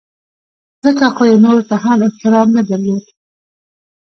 ځکه خو یې نورو ته هم احترام نه درلود.